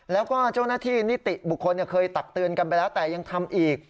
แล้วก็เจ้าหน้าที่นิติบุคคลเคยตักเตือนกันไปแล้วแต่ยังทำอีก